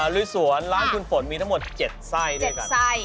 ลุยสวนร้านคุณฝนมีทั้งหมด๗ไส้ด้วยกัน